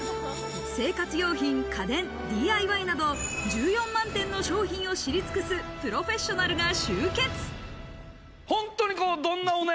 生活用品、家電、ＤＩＹなど、１４万点の商品を知り尽くすプロフェッショナルが集結。